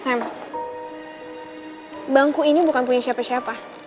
bangku ini bukan punya siapa siapa